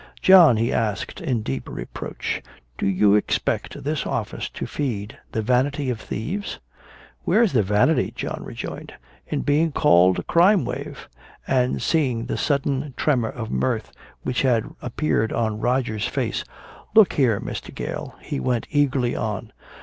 "John," he asked, in deep reproach, "do you expect this office to feed the vanity of thieves?" "Where's the vanity," John rejoined, "in being called a crime wave?" And seeing the sudden tremor of mirth which had appeared on Roger's face, "Look here, Mr. Gale," he went eagerly on.